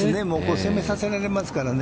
攻めさせられますからね。